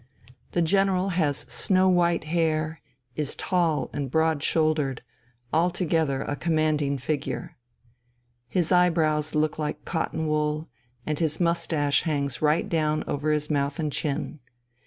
The general has snow white hair, is tall and broad shouldered, altogether a commanding figure. His eyebrows look like cotton wool, and his moustache hangs right down over his mouth and chin.